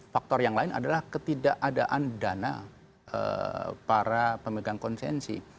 faktor yang lain adalah ketidakadaan dana para pemegang konsensi